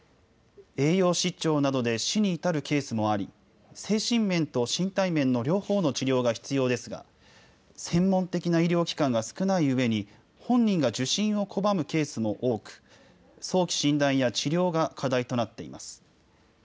栄養失調などで死に至るケースもあり、精神面と身体面の両方の治療が必要ですが、専門的な医療機関が少ないうえに、本人が受診を拒むケースも多く、早期診断や治療が課題となっています。